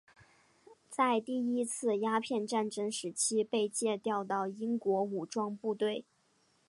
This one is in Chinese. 在第一次鸦片战争时期被借调到英国武装部队。